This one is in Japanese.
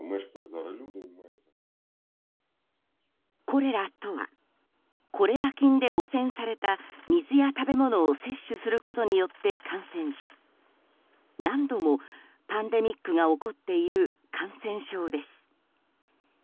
コレラとはコレラ菌で汚染された水や食べ物を摂取することによって感染し何度もパンデミックが起こっている感染症です。